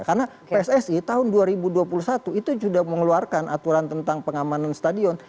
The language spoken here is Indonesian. karena pssi tahun dua ribu dua puluh satu itu sudah mengeluarkan aturan tentang pengamanan stadion